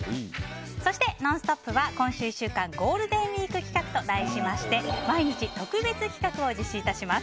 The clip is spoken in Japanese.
そして「ノンストップ！」は今週１週間ゴールデンウィーク企画と題して毎日、特別企画を実施いたします。